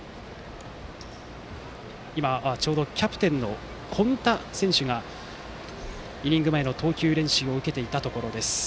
ちょうどキャプテンの今田選手がイニング前の投球練習を受けていたところです。